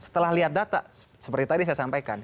setelah lihat data seperti tadi saya sampaikan